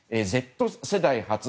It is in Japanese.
Ｚ世代初。